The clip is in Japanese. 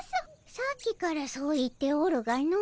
さっきからそう言っておるがの。